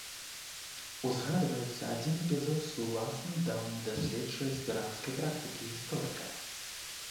Узгадваецца адзін эпізод з уласнай даўняй даследчай аспіранцкай практыкі гісторыка.